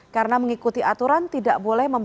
karena mengikuti aturan tidak boleh menangis